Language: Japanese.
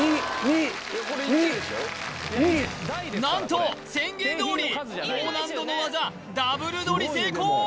何と宣言どおり高難度の技ダブル取り成功！